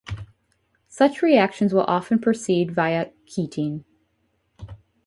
Such reactions will often proceed via ketene.